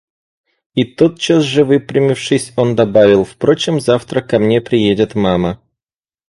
– И, тотчас же выпрямившись, он добавил: – Впрочем, завтра ко мне приедет мама.